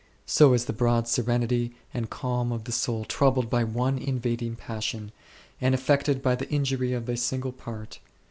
So is the broad serenity and calm of the soul troubled by, one ifivading passion, and affected by the injury of a single part.